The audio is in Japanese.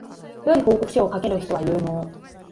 良い報告書を書ける人は有能